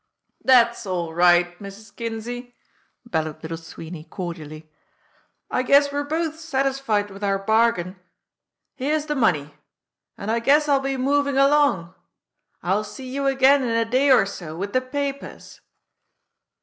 "That's all right, Mrs. Kinsey," bellowed Little Sweeney cordially. "I guess we're both satisfied with our bargain. Here's the money. And I guess I'll be moving along. I'll see you again in a day or so with the papers."